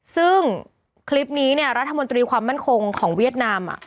ซึ่งคลิปนี้เนี่ยรัฐมนตรีความมั่นคงของเวียดนาม